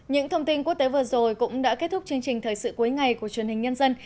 những thông tin quốc tế vừa rồi cũng đã kết thúc chương trình thời sự cuối ngày của truyền hình nhân dân